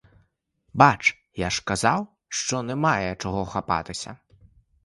Бач, я ж казав, що немає чого хапатися.